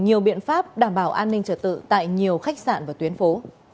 nhiều biện pháp đảm bảo an ninh trật tự tại nhiều khách sạn và tuyến phố